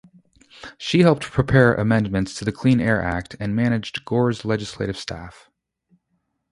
She helped prepare amendments to the Clean Air Act and managed Gore's legislative staff.